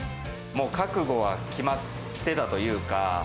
もう覚悟は決まってたというか。